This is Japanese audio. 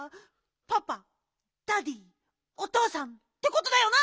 パパダディーおとうさんってことだよな？